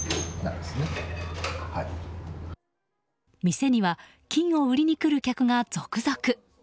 店には金を売りに来る客が続々。